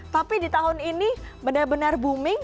tapi di tahun ini benar benar booming